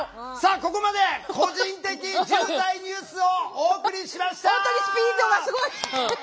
ここまで「個人的重大ニュース」をお送りしました。